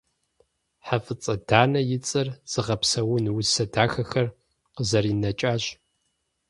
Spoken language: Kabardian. ХьэфӀыцӀэ Данэ и цӀэр зыгъэпсэун усэ дахэхэр къызэринэкӏащ.